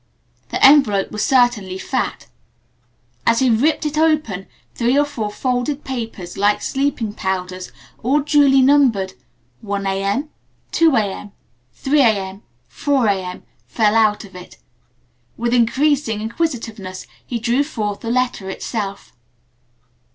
The envelope was certainly fat. As he ripped it open, three or four folded papers like sleeping powders, all duly numbered, "1 A. M.," "2 A. M.," "3 A. M.," "4 A. M." fell out of it. With increasing inquisitiveness he drew forth the letter itself.